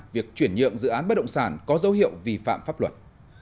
việc chuyển nhượng dự án bất động sản có dấu hiệu vi phạm pháp luật